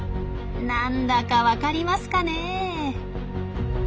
なんだか分かりますかねえ。